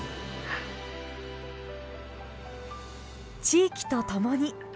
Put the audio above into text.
地域とともに。